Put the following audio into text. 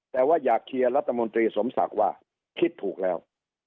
แต่ว่าอยากเชียร์รัฐมนตรีสมศักดิ์ว่าคิดถูกแล้ว